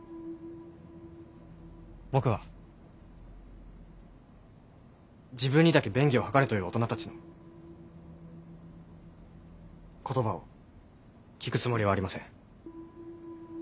僕は自分にだけ便宜を図れという大人たちの言葉を聞くつもりはありません。